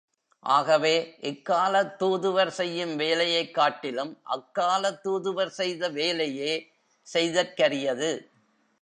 ஆகவே, இக்காலத் தூதுவர் செய்யும் வேலையைக்காட்டிலும் அக்காலத் தூதுவர் செய்த வேலையே செய்தற்கரியது.